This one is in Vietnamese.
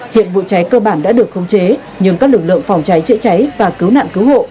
hiện vụ cháy cơ bản đã được khống chế nhưng các lực lượng phòng cháy chữa cháy và cứu nạn cứu hộ